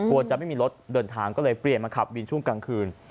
จะไม่มีรถเดินทางก็เลยเปลี่ยนมาขับวินช่วงกลางคืน